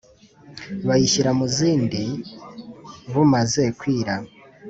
bayishyira mu zindi. bumaze kwira